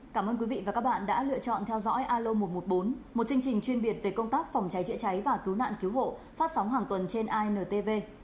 cảm ơn quý vị và các bạn đã lựa chọn theo dõi alo một trăm một mươi bốn một chương trình chuyên biệt về công tác phòng cháy chữa cháy và cứu nạn cứu hộ phát sóng hàng tuần trên intv